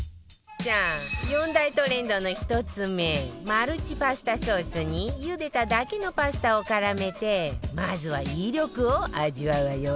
さあ４大トレンドの１つ目マルチパスタソースにゆでただけのパスタを絡めてまずは威力を味わうわよ